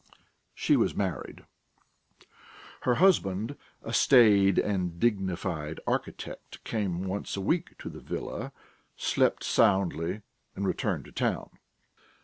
She was married. Her husband, a staid and dignified architect, came once a week to the villa, slept soundly, and returned to town.